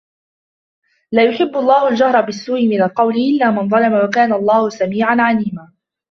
لا يحب الله الجهر بالسوء من القول إلا من ظلم وكان الله سميعا عليما